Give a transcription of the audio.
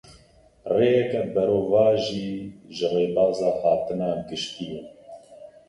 Rêyeke berovajî ji rêbaza hatina giştî ye.